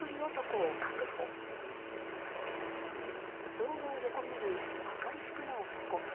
道路を横切る赤い服の男。